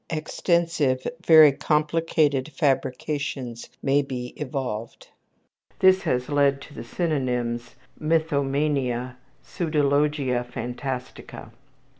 Extensive, very complicated fabrications may be evolved. This has led to the synonyms: mythomania; pseudologia phantastica.